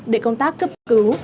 để công tác cấp cứu